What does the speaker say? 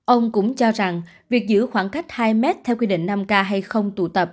ông cũng cho rằng việc giữ khoảng cách hai mét theo quy định năm k hay không tụ tập